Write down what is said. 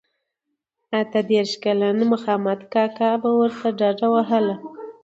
اته دیرش کلن مخامد کاکا به ورته ډډه وهله.